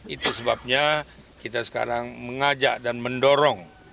itu sebabnya kita sekarang mengajak dan mendorong